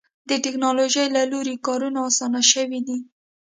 د ټکنالوجۍ له لارې کارونه اسانه شوي دي.